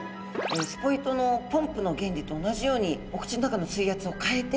スポイトのポンプの原理と同じようにお口の中の水圧を変えて吸い込んでるようです。